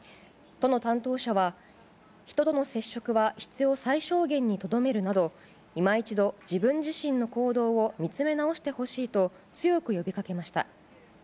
都の担当者は、人との接触は必要最小限にとどめるなど今一度、自分自身の行動を見つめ直してほしいと強く呼びかけました。